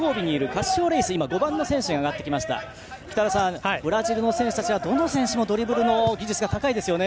北原さん、ブラジルの選手たちはどの選手もドリブルの技術が高いですよね。